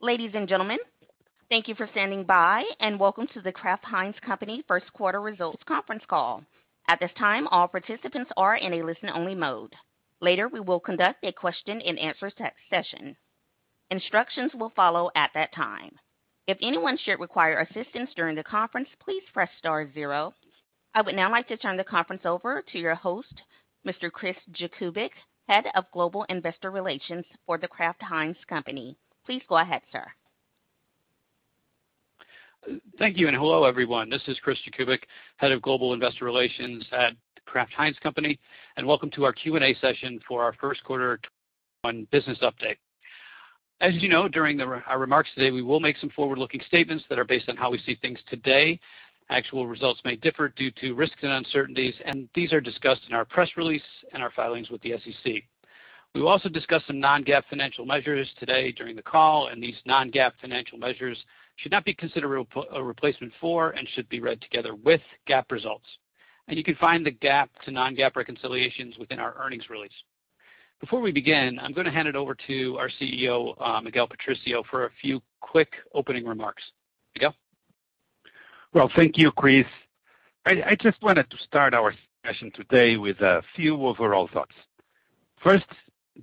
Ladies and gentlemen, thank you for standing by, and welcome to The Kraft Heinz Company first quarter results conference call. At this time, all participants are in a listen-only mode. Later, we will conduct a question and answer session. Instructions will follow at that time. If anyone should require assistance during the conference, please press star zero. I would now like to turn the conference over to your host, Mr. Chris Jakubik, Head of Global Investor Relations for The Kraft Heinz Company. Please go ahead, sir. Thank you, and hello, everyone. This is Chris Jakubik, Head of Global Investor Relations at Kraft Heinz Company, and welcome to our Q&A session for our first quarter on business update. As you know, during our remarks today, we will make some forward-looking statements that are based on how we see things today. Actual results may differ due to risks and uncertainties, and these are discussed in our press release and our filings with the SEC. We will also discuss some non-GAAP financial measures today during the call, and these non-GAAP financial measures should not be considered a replacement for and should be read together with GAAP results. You can find the GAAP to non-GAAP reconciliations within our earnings release. Before we begin, I'm going to hand it over to our CEO, Miguel Patricio, for a few quick opening remarks. Miguel? Well, thank you, Chris. I just wanted to start our session today with a few overall thoughts. First,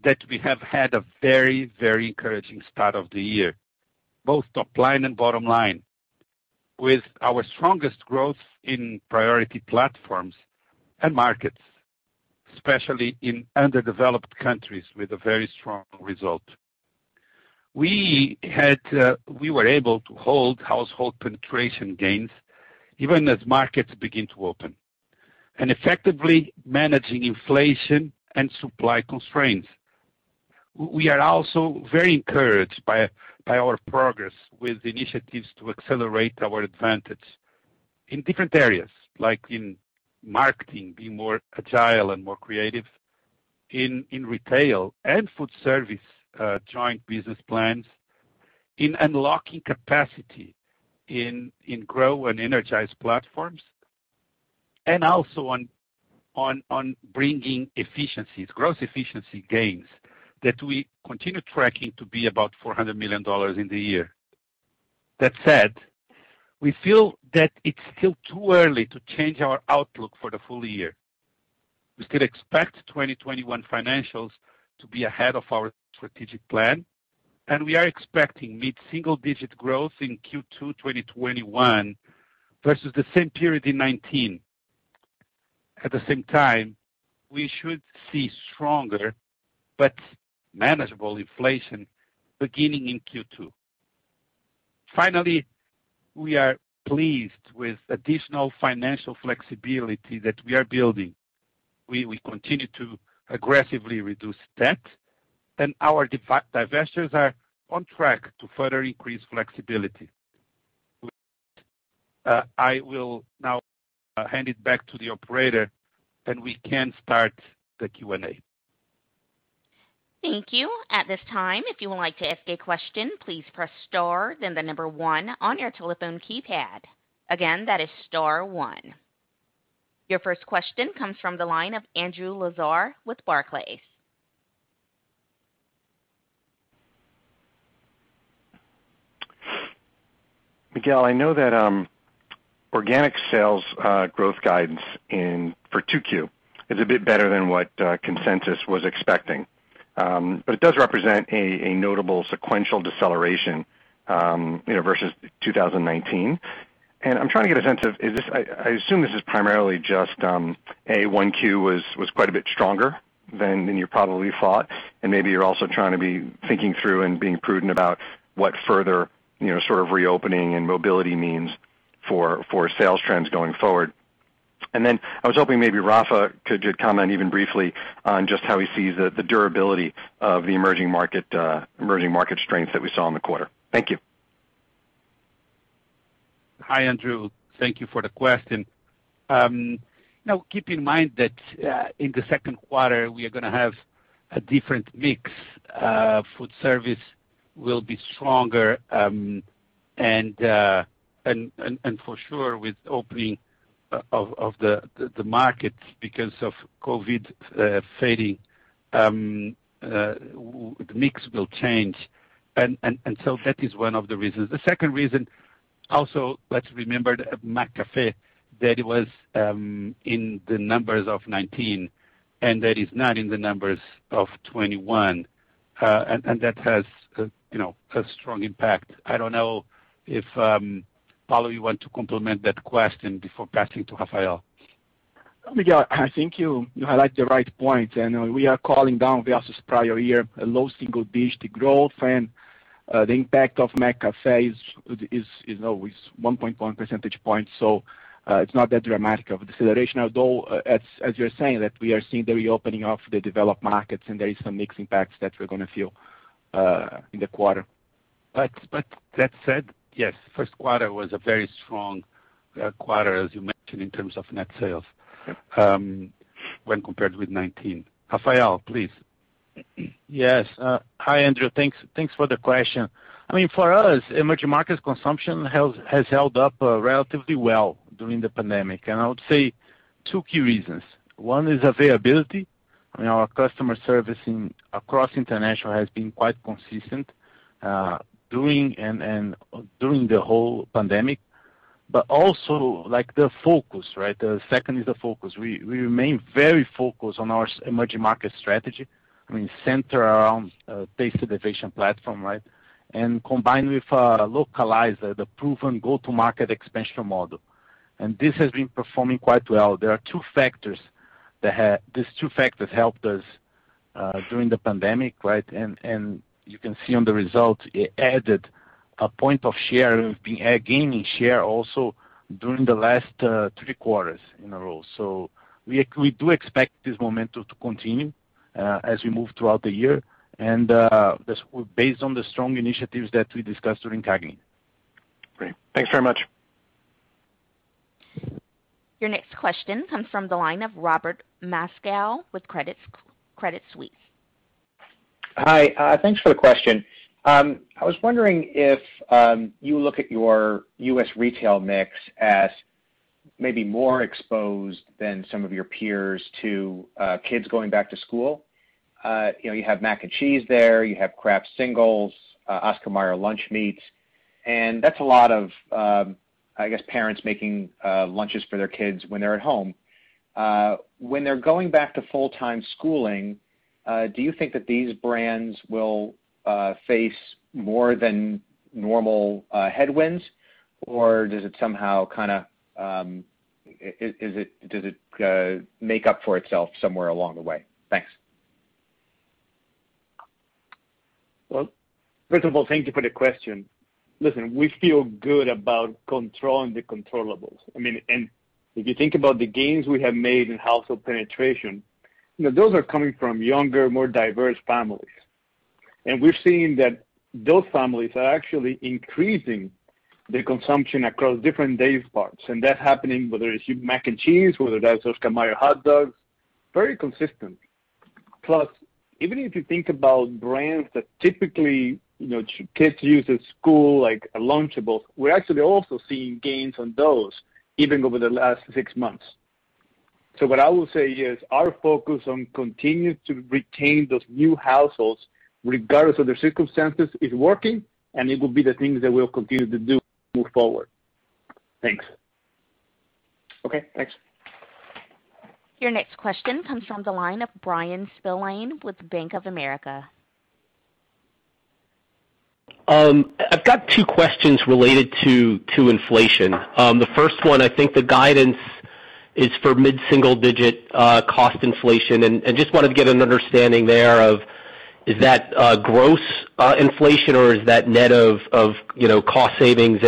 that we have had a very encouraging start of the year, both top line and bottom line, with our strongest growth in priority platforms and markets, especially in underdeveloped countries with a very strong result. We were able to hold household penetration gains even as markets begin to open and effectively managing inflation and supply constraints. We are also very encouraged by our progress with initiatives to accelerate our advantage in different areas, like in marketing, being more agile and more creative in retail and food service, joint business plans, in unlocking capacity in grow and energized platforms, and also on bringing efficiencies, gross efficiency gains that we continue tracking to be about $400 million in the year. That said, we feel that it's still too early to change our outlook for the full year. We still expect 2021 financials to be ahead of our strategic plan, and we are expecting mid-single digit growth in Q2 2021 versus the same period in 2019. At the same time, we should see stronger but manageable inflation beginning in Q2. Finally, we are pleased with additional financial flexibility that we are building. We continue to aggressively reduce debt, and our divestitures are on track to further increase flexibility. I will now hand it back to the operator, and we can start the Q&A. Thank you. Your first question comes from the line of Andrew Lazar with Barclays. Miguel, I know that organic sales growth guidance for 2Q is a bit better than what consensus was expecting. It does represent a notable sequential deceleration versus 2019. I'm trying to get a sense of, I assume this is primarily just, A, 1Q was quite a bit stronger than you probably thought, and maybe you're also trying to be thinking through and being prudent about what further sort of reopening and mobility means for sales trends going forward. I was hoping maybe Rafa could just comment even briefly on just how he sees the durability of the emerging market strength that we saw in the quarter. Thank you. Hi, Andrew. Thank you for the question. Keep in mind that in the second quarter, we are going to have a different mix. Food service will be stronger, for sure with opening of the market because of COVID fading, the mix will change. That is one of the reasons. The second reason also, let's remember McCafé that it was in the numbers of 2019, that is not in the numbers of 2021. That has a strong impact. I don't know if, Paulo, you want to complement that question before passing to Rafael. Miguel, I think you highlight the right point, and we are calling down versus prior year, a low single-digit growth, and the impact of McCafé is always 1.1 percentage point. It's not that dramatic of a deceleration. Although, as you're saying that we are seeing the reopening of the developed markets, and there is some mix impacts that we're going to feel in the quarter. That said, yes, first quarter was a very strong quarter, as you mentioned, in terms of net sales when compared with 2019. Rafael, please. Yes. Hi, Andrew. Thanks for the question. I mean, for us, emerging markets consumption has held up relatively well during the pandemic. I would say two key reasons. One is availability. Our customer service across international has been quite consistent during the whole pandemic. Also the focus, the second is the focus. We remain very focused on our emerging market strategy, centered around Taste Elevation platform. Combined with Localizer, the proven Go-to-Market expansion model. This has been performing quite well. There are two factors that helped us during the pandemic. You can see on the result, it added a point of share. We've been gaining share also during the last three quarters in a row. We do expect this momentum to continue as we move throughout the year. Great. Thanks very much. Your next question comes from the line of Robert Moskow with Credit Suisse. Hi. Thanks for the question. I was wondering if you look at your U.S. retail mix as maybe more exposed than some of your peers to kids going back to school. You have Kraft Mac & Cheese there, you have Kraft Singles, Oscar Mayer lunch meats, and that's a lot of, I guess, parents making lunches for their kids when they're at home. When they're going back to full-time schooling, do you think that these brands will face more than normal headwinds, or does it make up for itself somewhere along the way? Thanks. Well, first of all, thank you for the question. Listen, we feel good about controlling the controllables. If you think about the gains we have made in household penetration, those are coming from younger, more diverse families. We're seeing that those families are actually increasing their consumption across different day parts. That's happening, whether it's Mac & Cheese, whether that's Oscar Mayer hot dogs, very consistent. Even if you think about brands that typically kids use at school, like Lunchables, we're actually also seeing gains on those even over the last six months. What I will say is our focus on continuing to retain those new households, regardless of their circumstances, is working, and it will be the things that we'll continue to do move forward. Thanks. Okay, thanks. Your next question comes from the line of Bryan Spillane with Bank of America. I've got two questions related to inflation. The first one, I think the guidance is for mid-single-digit cost inflation. Just wanted to get an understanding there of, is that gross inflation or is that net of cost savings?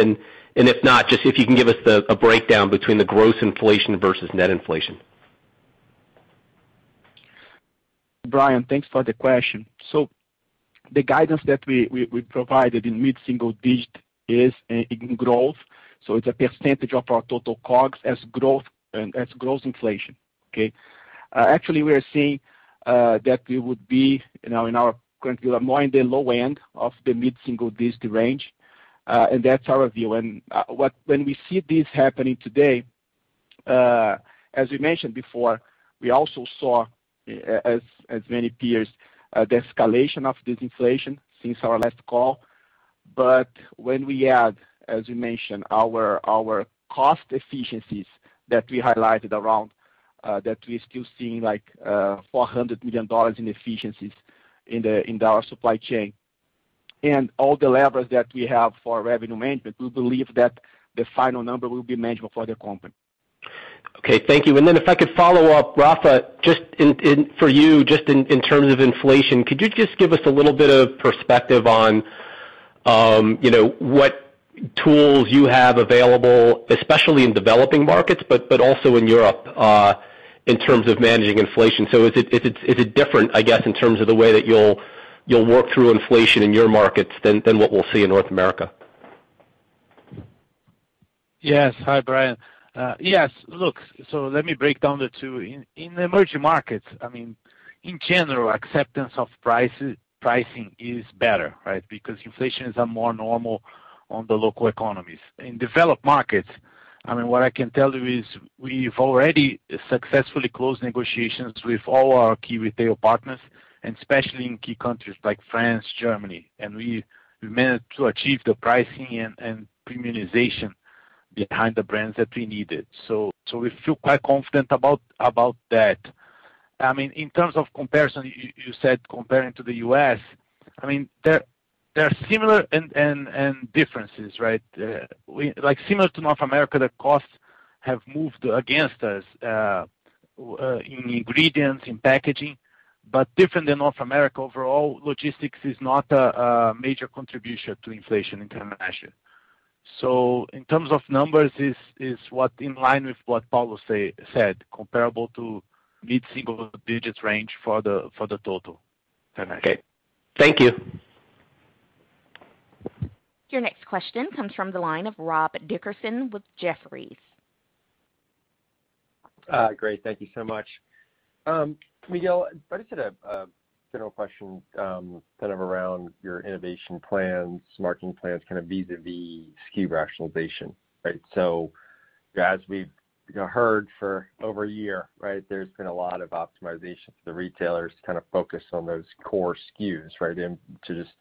If not, just if you can give us a breakdown between the gross inflation versus net inflation. Bryan, thanks for the question. The guidance that we provided in mid-single digit is in growth. It's a percentage of our total COGS as growth and as gross inflation. Okay. Actually, we are seeing that we would be, in our current view, more in the low end of the mid-single digit range. That's our view. When we see this happening today, as we mentioned before, we also saw, as many peers, the escalation of this inflation since our last call. When we add, as we mentioned, our cost efficiencies that we highlighted around, that we're still seeing $400 million in efficiencies in our supply chain. All the levers that we have for revenue management, we believe that the final number will be manageable for the company. Okay, thank you. Then if I could follow up, Rafa, for you, just in terms of inflation, could you just give us a little bit of perspective on what tools you have available, especially in developing markets, but also in Europe, in terms of managing inflation? Is it different, I guess, in terms of the way that you'll work through inflation in your markets than what we'll see in North America? Yes. Hi, Bryan. Yes, let me break down the two. In emerging markets, in general, acceptance of pricing is better, right? Because inflation is more normal on the local economies. In developed markets, what I can tell you is we've already successfully closed negotiations with all our key retail partners, and especially in key countries like France, Germany, and we managed to achieve the pricing and premiumization behind the brands that we needed. We feel quite confident about that. In terms of comparison, you said comparing to the U.S., there are similar and differences, right? Similar to North America, the costs have moved against us, in ingredients, in packaging, different than North America overall, logistics is not a major contributor to inflation in Canada. In terms of numbers, it's what in line with what Paulo said, comparable to mid-single-digit range for the total. Okay. Thank you. Your next question comes from the line of Rob Dickerson with Jefferies. Great. Thank you so much. Miguel, can I just add a general question kind of around your innovation plans, marketing plans, kind of vis-a-vis SKU rationalization, right? As we've heard for over a year, right? There's been a lot of optimization. The retailers kind of focus on those core SKUs, right? To just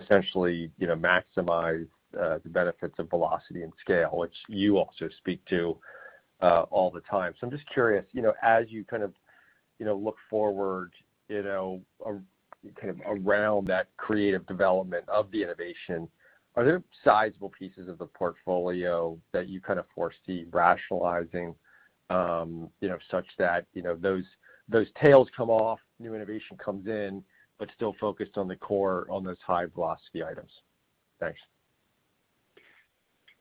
essentially maximize the benefits of velocity and scale, which you also speak to all the time. I'm just curious, as you kind of look forward around that creative development of the innovation, are there sizable pieces of the portfolio that you kind of foresee rationalizing, such that those tails come off, new innovation comes in, but still focused on the core, on those high velocity items? Thanks.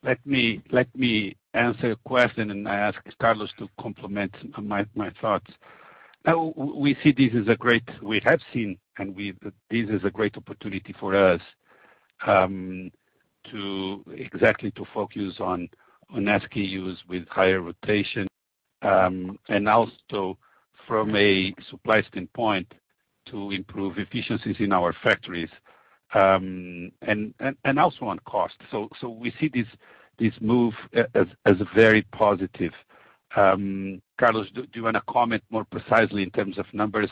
Let me answer your question, and I ask Carlos to complement my thoughts. We have seen, and this is a great opportunity for us exactly to focus on SKUs with higher rotation. Also from a supply standpoint, to improve efficiencies in our factories, and also on cost. We see this move as very positive. Carlos, do you want to comment more precisely in terms of numbers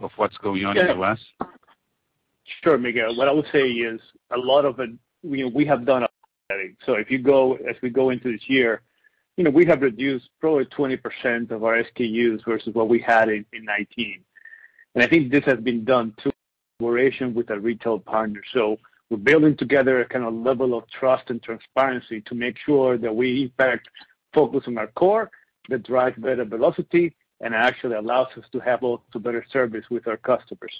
of what's going on with us? Sure, Miguel. As we go into this year, we have reduced probably 20% of our SKUs versus what we had in 2019. I think this has been done through collaboration with our retail partners. We're building together a level of trust and transparency to make sure that we, in fact, focus on our core, that drive better velocity, and actually allows us to have better service with our customers.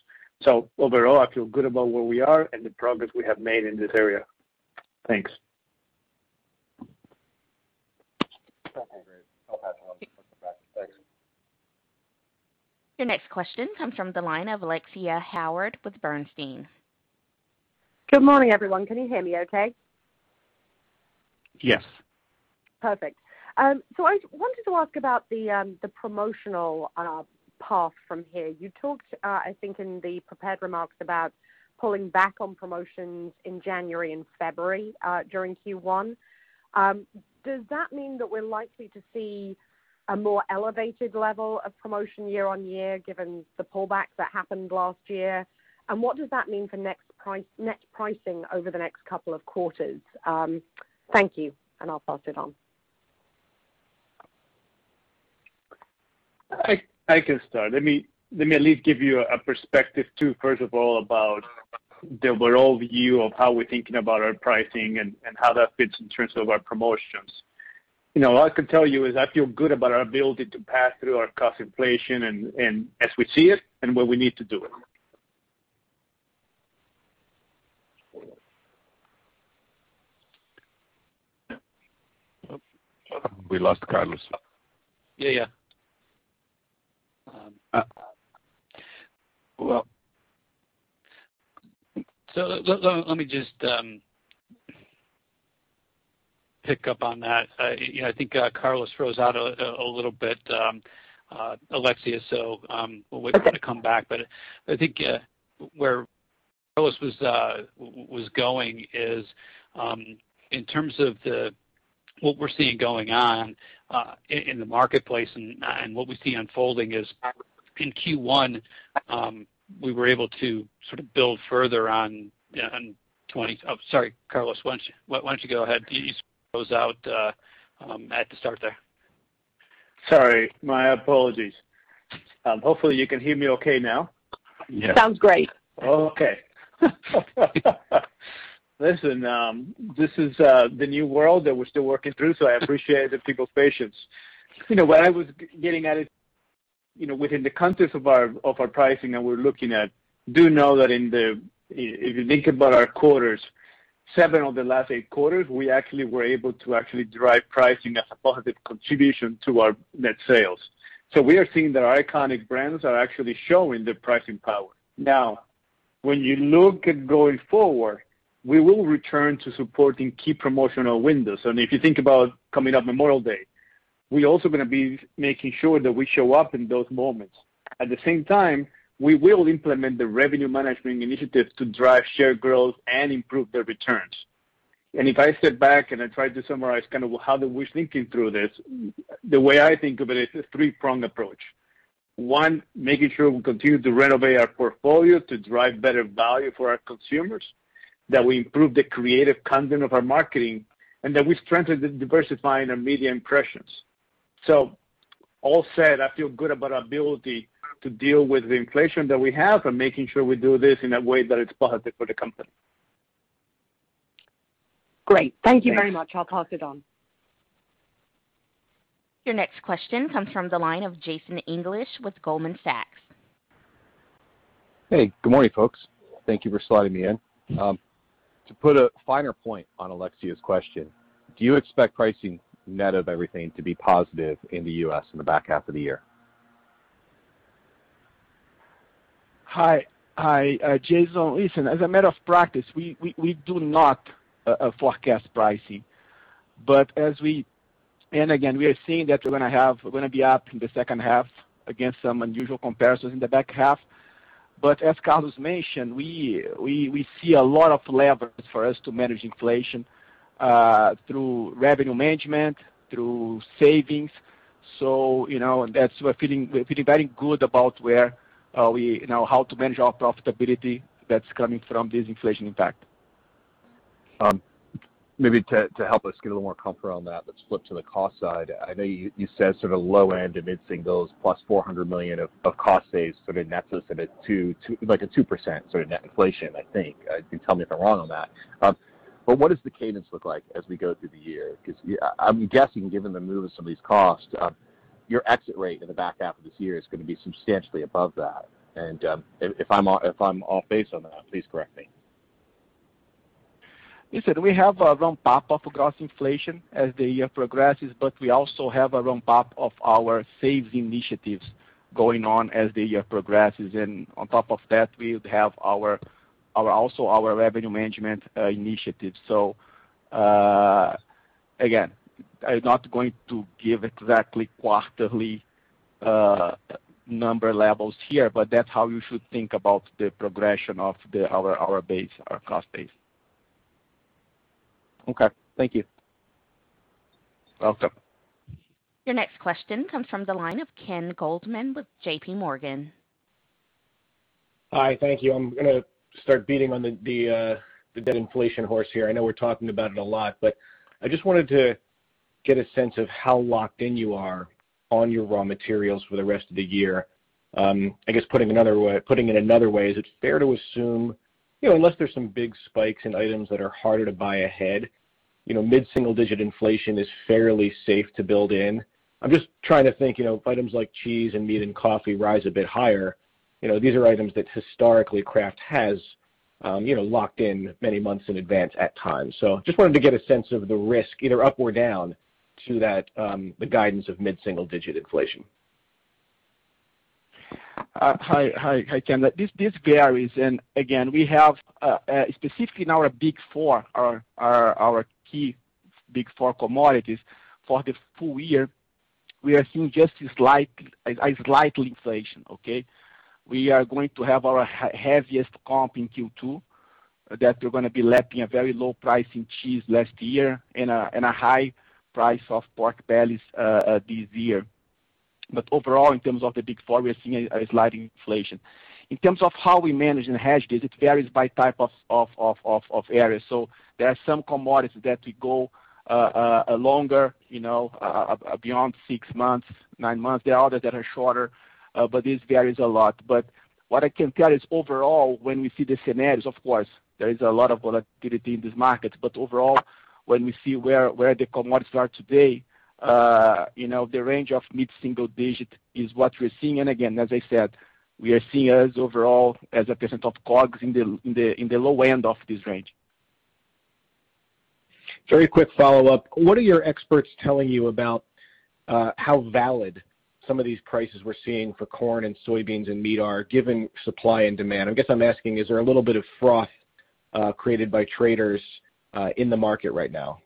Overall, I feel good about where we are and the progress we have made in this area. Thanks. Okay, great. No problem. Thanks. Your next question comes from the line of Alexia Howard with Bernstein. Good morning, everyone. Can you hear me okay? Yes. Perfect. I wanted to ask about the promotional path from here. You talked, I think in the prepared remarks, about pulling back on promotions in January and February, during Q1. Does that mean that we're likely to see a more elevated level of promotion year-on-year, given the pullback that happened last year? What does that mean for net pricing over the next couple of quarters? Thank you, and I'll pass it on. I can start. Let me at least give you a perspective, too, first of all, about the overall view of how we're thinking about our pricing and how that fits in terms of our promotions. All I can tell you is I feel good about our ability to pass through our cost inflation as we see it and when we need to do it. We lost Carlos. Yeah. Well Let me just pick up on that. I think Carlos froze out a little bit, Alexia, so we'll wait for him to come back. I think where Carlos was going is, in terms of what we're seeing going on in the marketplace and what we see unfolding is, in Q1, we were able to sort of build further on 20 Oh, sorry. Carlos, why don't you go ahead. You froze out at the start there. Sorry. My apologies. Hopefully, you can hear me okay now. Sounds great. Listen, this is the new world that we're still working through. I appreciate the people's patience. What I was getting at is within the context of our pricing that we're looking at, do know that if you think about our quarters, seven of the last eight quarters, we actually were able to actually drive pricing as a positive contribution to our net sales. We are seeing that our iconic brands are actually showing the pricing power. When you look at going forward, we will return to supporting key promotional windows. If you think about coming up Memorial Day, we're also going to be making sure that we show up in those moments. At the same time, we will implement the revenue management initiatives to drive share growth and improve the returns. If I step back and I try to summarize kind of how we're thinking through this, the way I think of it is a three-pronged approach. One, making sure we continue to renovate our portfolio to drive better value for our consumers, that we improve the creative content of our marketing, and that we strengthen the diversifying our media impressions. All said, I feel good about our ability to deal with the inflation that we have and making sure we do this in a way that it's positive for the company. Great. Thank you very much. I'll pass it on. Your next question comes from the line of Jason English with Goldman Sachs. Hey, good morning, folks. Thank you for slotting me in. To put a finer point on Alexia's question, do you expect pricing net of everything to be positive in the U.S. in the back half of the year? Hi, Jason. Listen, as a matter of practice, we do not forecast pricing. Again, we are seeing that we're going to be up in the second half against some unusual comparisons in the back half. As Carlos mentioned, we see a lot of levers for us to manage inflation, through revenue management, through savings. We're feeling very good about how to manage our profitability that's coming from this inflation impact. Maybe to help us get a little more comfort on that, let's flip to the cost side. I know you said sort of low end of mid-singles plus $400 million of cost saves, so that nets us at a 2% net inflation, I think. You can tell me if I'm wrong on that. What does the cadence look like as we go through the year? Because I'm guessing, given the move of some of these costs, your exit rate in the back half of this year is going to be substantially above that. If I'm off base on that, please correct me. Listen, we have a ramp-up of cost inflation as the year progresses, but we also have a ramp-up of our save initiatives going on as the year progresses. On top of that, we have also our revenue management initiatives. Again, I'm not going to give exactly quarterly number levels here, but that's how you should think about the progression of our base, our cost base. Okay. Thank you. Welcome. Your next question comes from the line of Ken Goldman with JPMorgan. Hi, thank you. I'm going to start beating on the dead inflation horse here. I know we're talking about it a lot, but I just wanted to get a sense of how locked in you are on your raw materials for the rest of the year. I guess putting it another way, is it fair to assume, unless there's some big spikes in items that are harder to buy ahead, mid-single-digit inflation is fairly safe to build in? I'm just trying to think, items like cheese and meat and coffee rise a bit higher. These are items that historically Kraft has locked in many months in advance at times. Just wanted to get a sense of the risk, either up or down to the guidance of mid-single-digit inflation. Hi, Ken. This varies. Again, specifically in our big four, our key big four commodities for the full year, we are seeing just a slight inflation, okay? We are going to have our heaviest comp in Q2, that we're going to be lapping a very low price in cheese last year and a high price of pork bellies this year. Overall, in terms of the big four, we are seeing a slight inflation. In terms of how we manage and hedge this, it varies by type of area. There are some commodities that go longer, beyond six months, nine months. There are others that are shorter. This varies a lot. What I can tell is overall, when we see the scenarios, of course, there is a lot of volatility in this market. Overall, when we see where the commodities are today, the range of mid-single digit is what we're seeing. Again, as I said, we are seeing as overall, as a percent of COGS in the low end of this range. Very quick follow-up. What are your experts telling you about how valid some of these prices we're seeing for corn and soybeans and meat are, given supply and demand? I guess I'm asking, is there a little bit of froth created by traders in the market right now?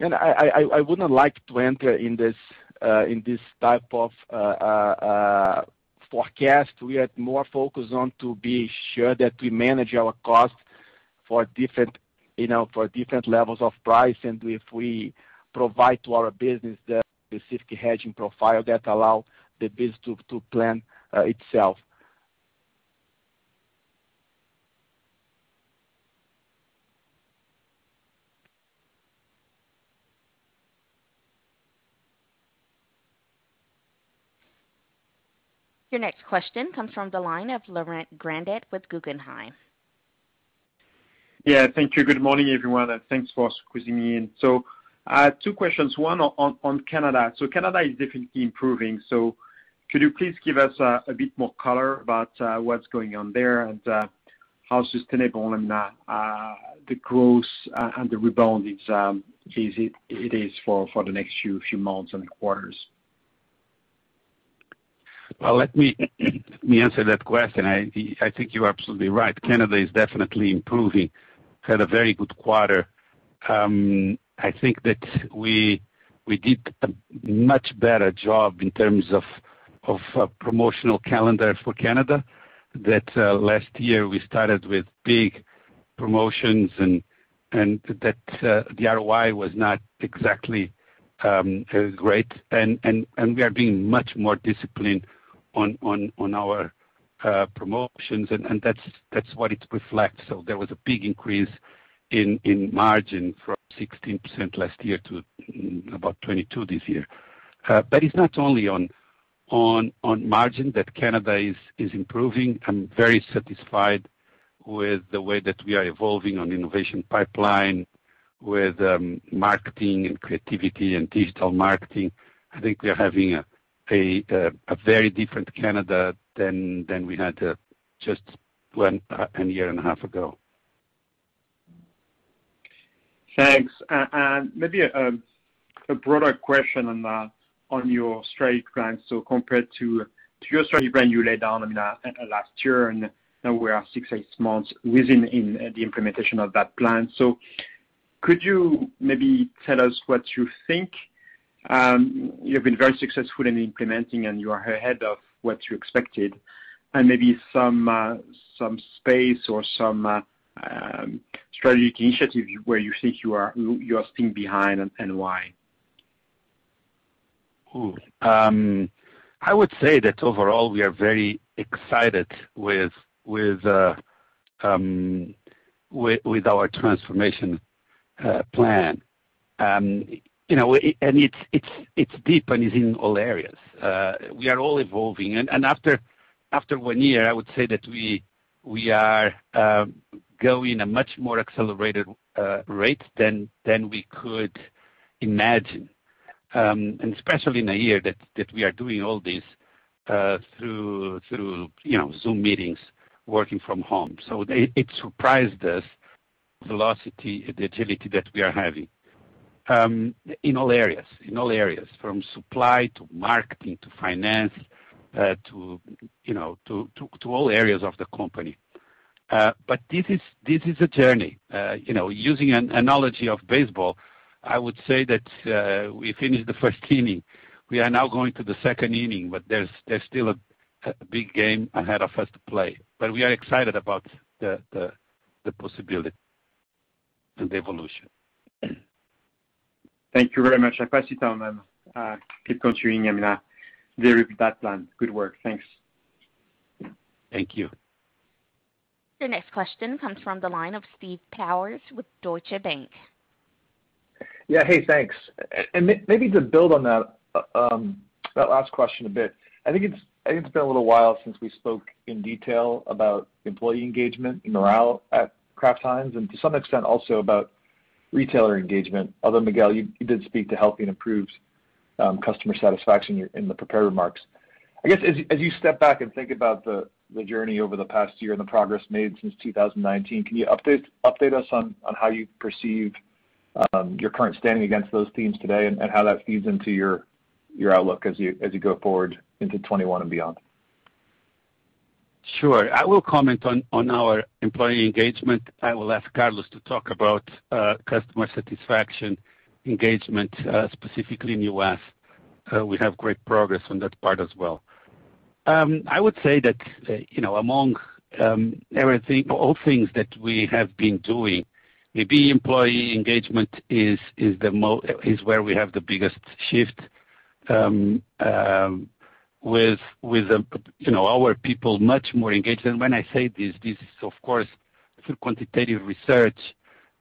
Ken, I wouldn't like to enter in this type of forecast. We are more focused on to be sure that we manage our cost for different levels of price, and if we provide to our business the specific hedging profile that allow the business to plan itself. Your next question comes from the line of Laurent Grandet with Guggenheim. Yeah, thank you. Good morning, everyone, and thanks for squeezing me in. Two questions. One on Canada. Canada is definitely improving. Could you please give us a bit more color about what's going on there and how sustainable the growth and the rebound it is for the next few months and quarters? Let me answer that question. I think you're absolutely right. Canada is definitely improving. Had a very good quarter. I think that we did a much better job in terms of promotional calendar for Canada. That last year we started with big promotions and that the ROI was not exactly great, and we are being much more disciplined on our promotions, and that's what it reflects. There was a big increase in margin from 16% last year to about 22% this year. It's not only on margin that Canada is improving. I'm very satisfied with the way that we are evolving on innovation pipeline, with marketing and creativity and digital marketing. I think we are having a very different Canada than we had just a year and a half ago. Thanks. Maybe a broader question on your strategy plan. Compared to your strategy plan you laid down last year, and now we are six, eight months within the implementation of that plan. Could you maybe tell us what you think? You have been very successful in implementing, and you are ahead of what you expected, and maybe some space or some strategic initiative where you think you are still behind and why. I would say that overall, we are very excited with our transformation plan. It's deep, and it's in all areas. We are all evolving. After one year, I would say that we are going a much more accelerated rate than we could imagine. Especially in a year that we are doing all this through Zoom meetings, working from home. It surprised us, the velocity, the agility that we are having in all areas. From supply to marketing, to finance, to all areas of the company. This is a journey. Using an analogy of baseball, I would say that we finished the first inning. We are now going to the second inning, there's still a big game ahead of us to play. We are excited about the possibility and the evolution. Thank you very much. I appreciate that, man. Keep continuing on that plan. Good work. Thanks. Thank you. The next question comes from the line of Steve Powers with Deutsche Bank. Yeah. Hey, thanks. Maybe to build on that last question a bit, I think it's been a little while since we spoke in detail about employee engagement and morale at Kraft Heinz, and to some extent, also about retailer engagement. Although, Miguel, you did speak to helping improve customer satisfaction in the prepared remarks. I guess, as you step back and think about the journey over the past year and the progress made since 2019, can you update us on how you perceive your current standing against those themes today, and how that feeds into your outlook as you go forward into 2021 and beyond? Sure. I will comment on our employee engagement. I will ask Carlos to talk about customer satisfaction engagement, specifically in the U.S. We have great progress on that part as well. I would say that among all things that we have been doing, maybe employee engagement is where we have the biggest shift with our people much more engaged. When I say this is, of course, through quantitative research,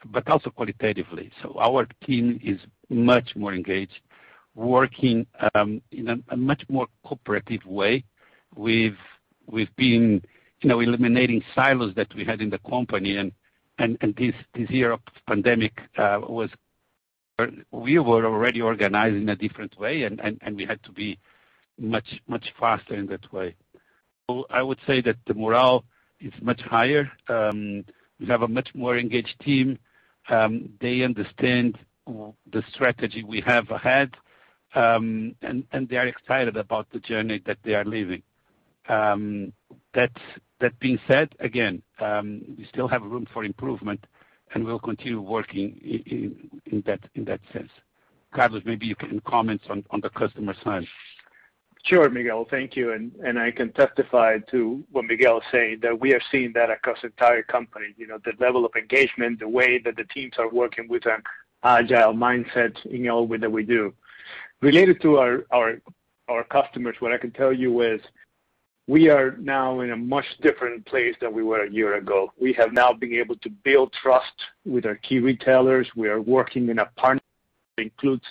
but also qualitatively. Our team is much more engaged, working in a much more cooperative way. We've been eliminating silos that we had in the company, and this year of pandemic, we were already organized in a different way, and we had to be much faster in that way. I would say that the morale is much higher. We have a much more engaged team. They understand the strategy we have ahead, and they are excited about the journey that they are living. That being said, again, we still have room for improvement, and we'll continue working in that sense. Carlos, maybe you can comment on the customer side. Sure, Miguel. Thank you. I can testify to what Miguel is saying, that we are seeing that across the entire company. The level of engagement, the way that the teams are working with an agile mindset in all that we do. Related to our customers, what I can tell you is we are now in a much different place than we were a year ago. We have now been able to build trust with our key retailers. We are working in a partnership that includes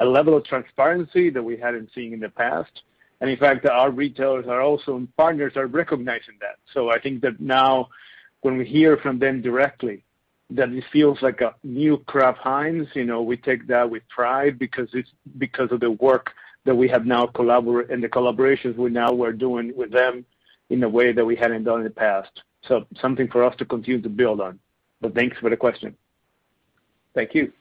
a level of transparency that we hadn't seen in the past. In fact, our retailers and partners are recognizing that. I think that now, when we hear from them directly, that it feels like a new Kraft Heinz. We take that with pride because of the work and the collaborations we now are doing with them in a way that we hadn't done in the past. Something for us to continue to build on. Thanks for the question. Thank you.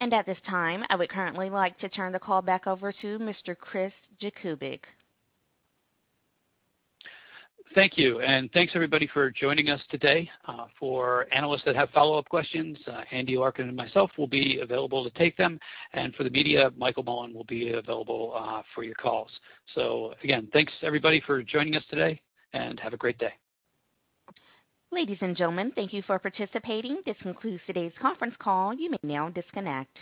At this time, I would currently like to turn the call back over to Mr. Chris Jakubik. Thank you. Thanks, everybody, for joining us today. For analysts that have follow-up questions, Andy Larkin and myself will be available to take them. For the media, Michael Mullen will be available for your calls. Again, thanks everybody for joining us today, and have a great day. Ladies and gentlemen, thank you for participating. This concludes today's conference call. You may now disconnect.